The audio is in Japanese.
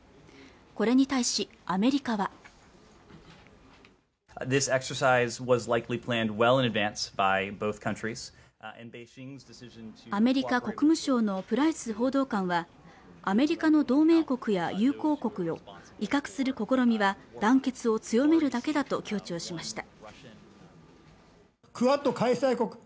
これに対しアメリカはアメリカ国務省のプライス報道官はアメリカの同盟国や友好国を威嚇する試みは団結を強めるだけだと強調しました